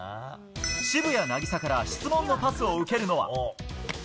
渋谷凪咲から質問のパスを受けるのは。